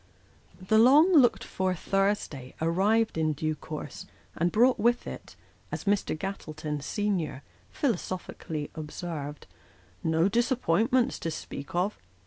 The long looked for Thursday arrived in due course, and brought with it, as Mr. Gattleton, senior, philosophically, observed, " no dis appointments, to speak of."